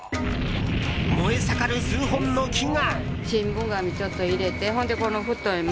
燃え盛る数本の木が。